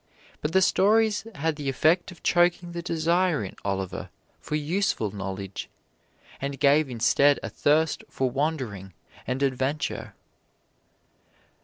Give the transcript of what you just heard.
But the stories had the effect of choking the desire in Oliver for useful knowledge, and gave instead a thirst for wandering and adventure.